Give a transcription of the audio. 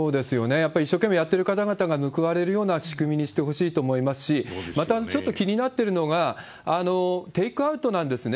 やっぱり一生懸命やってる方々が報われるような仕組みにしてほしいと思いますし、またちょっと気になってるのが、テイクアウトなんですね。